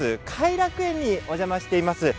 偕楽園にお邪魔しています。